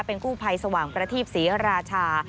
เป็นกู้ภัยสว่างประทีปศรีราชา